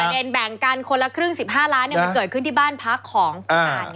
เด็นแบ่งกันคนละครึ่ง๑๕ล้านมันเกิดขึ้นที่บ้านพักของคุณอาจ